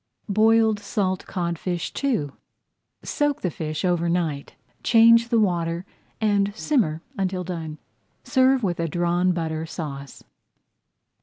BOILED SALT CODFISH II Soak the fish over night, change the water, and simmer until done. Serve with a Drawn Butter Sauce.